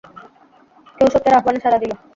কেউ সত্যের আহবানে সাড়া দিল।